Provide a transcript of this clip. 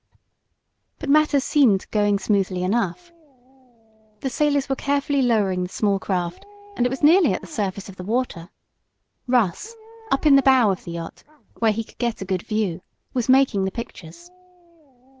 But matters seemed going smoothly enough. The sailors were carefully lowering the small craft, and it was nearly at the surface of the water. Russ, up in the bow of the yacht, where he could get a good view, was making the pictures.